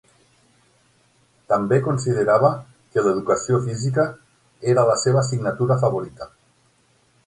També considerava que l'Educació física era la seva assignatura favorita.